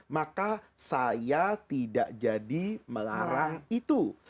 maka saya tidak jadi melarang itu